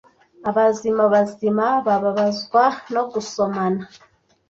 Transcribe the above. abazima bazima bababazwa no gusomana